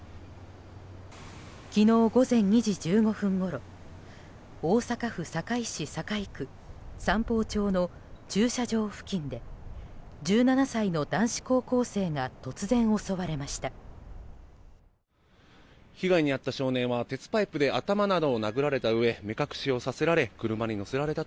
昨日午前２時１５分ごろ大阪府堺市堺区三宝町の駐車場付近で１７歳の男子高校生が突然、襲われました。